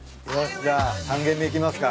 じゃあ３軒目行きますか。